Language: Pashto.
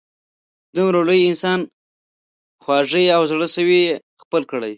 دومره لویې انسانې خواږۍ او زړه سوي یې خپل کړي.